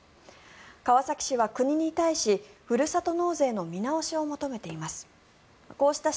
川崎市は国に対しふるさと納税の見直しを求めています。